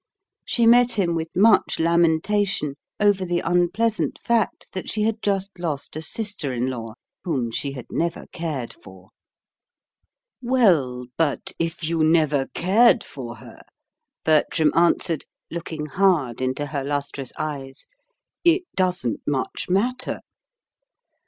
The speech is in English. She met him with much lamentation over the unpleasant fact that she had just lost a sister in law whom she had never cared for. "Well, but if you never cared for her," Bertram answered, looking hard into her lustrous eyes, "it doesn't much matter."